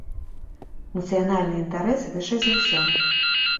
Нацыянальныя інтарэсы вышэй за ўсё.